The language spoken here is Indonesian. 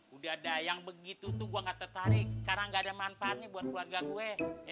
udah ada yang begitu tuh gue gak tertarik karena gak ada manfaatnya buat keluarga gue